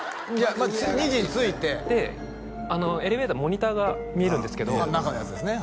まず２時に着いてエレベーターモニターが見えるんですけど中のやつですね